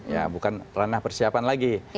ya bukan ranah persiapan lagi